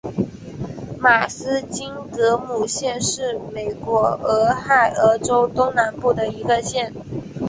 马斯金格姆县是美国俄亥俄州东南部的一个县。